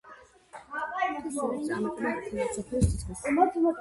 ფილმს დიდი წარმატება ჰქონდა მსოფლიოს თითქმის ყველა წერტილში.